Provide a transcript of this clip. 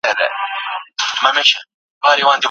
ستاسو په کړه وړه کي به درنښت وي.